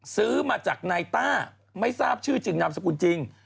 ซื้อมาจากนายต้าไม่ทราบชื่อจริงนามสกุลจริง